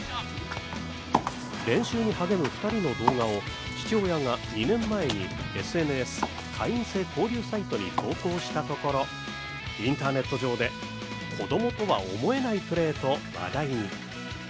練習に励む２人の動画を父親が２年前にＳＮＳ＝会員制交流サイトに投稿したところ、インターネット上で子供とは思えないプレーと話題に。